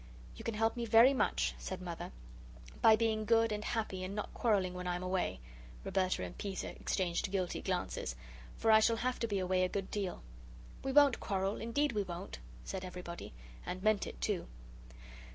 "You can help me very much," said Mother, "by being good and happy and not quarrelling when I'm away" Roberta and Peter exchanged guilty glances "for I shall have to be away a good deal." "We won't quarrel. Indeed we won't," said everybody. And meant it, too.